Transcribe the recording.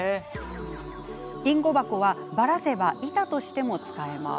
りんご箱はばらせば板としても使えます。